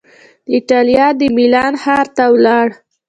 د ایټالیا د میلان ښار ته ولاړ